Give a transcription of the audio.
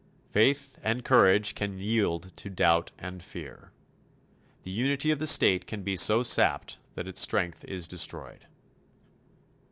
Faith and courage can yield to doubt and fear. The unity of the State can be so sapped that its strength is destroyed.